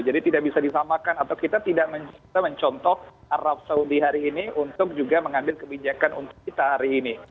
jadi tidak bisa disamakan atau kita tidak bisa mencontoh arab saudi hari ini untuk juga mengambil kebijakan untuk kita hari ini